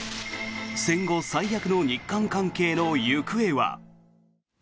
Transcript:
戦後最悪の日韓関係の行方は。